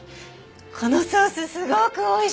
このソースすごく美味しい！